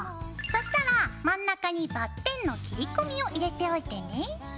そうしたら真ん中にバッテンの切り込みを入れておいてね。